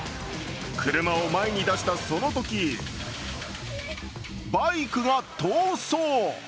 車を前に出したそのとき、バイクが逃走。